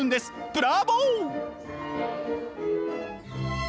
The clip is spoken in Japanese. ブラボー！